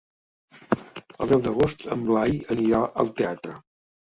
El deu d'agost en Blai anirà al teatre.